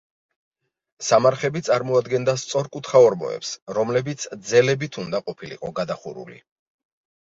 სამარხები წარმოადგენდა სწორკუთხა ორმოებს, რომლებიც ძელებით უნდა ყოფილიყო გადახურული.